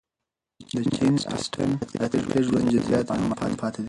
د جین اسټن د عاطفي ژوند جزئیات نامعلوم پاتې دي.